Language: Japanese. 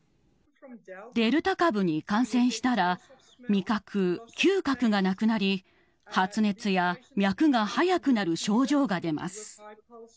デルタ株に感染したら、味覚、嗅覚がなくなり、発熱や脈が速くなる症状が出ます。